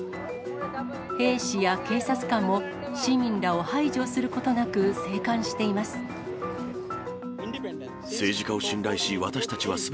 兵士や警察官も、市民らを排除することなく静観しています。